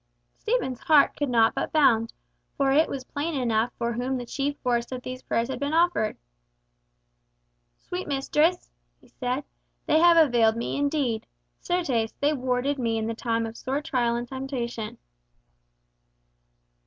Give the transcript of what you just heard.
Stephen's heart could not but bound, for it was plain enough for whom the chief force of these prayers had been offered. "Sweet mistress," he said, "they have availed me indeed. Certes, they warded me in the time of sore trial and temptation."